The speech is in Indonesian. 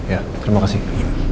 ya terima kasih